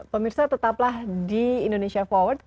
pemirsa tetaplah di indonesia forward